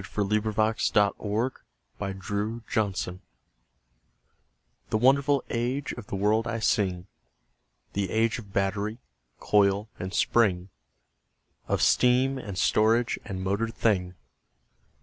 THE AGE OF MOTORED THINGS The wonderful age of the world I sing— The age of battery, coil and spring, Of steam, and storage, and motored thing.